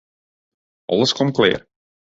Alles komt klear.